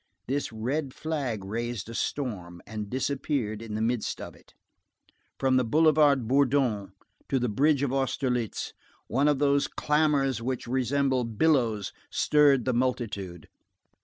This red flag raised a storm, and disappeared in the midst of it. From the Boulevard Bourdon to the bridge of Austerlitz one of those clamors which resemble billows stirred the multitude.